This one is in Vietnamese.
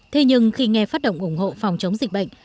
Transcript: thế nhưng khi nghe phát động ủng hộ phòng chống dịch bệnh